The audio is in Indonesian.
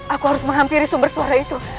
aku harus menghampiri sumber suara itu